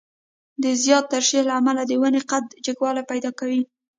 د زیاتې ترشح له امله د ونې قد جګوالی پیدا کوي.